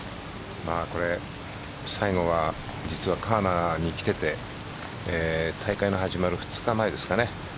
これ最後は実は川奈に来ていて大会の始まる２日前ですかね。